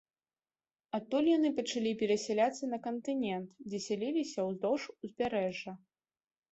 Адтуль яны пачалі перасяляцца на кантынент, дзе сяліліся ўздоўж узбярэжжа.